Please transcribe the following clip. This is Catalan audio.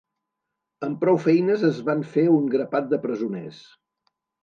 Amb prou feines es van fer un grapat de presoners.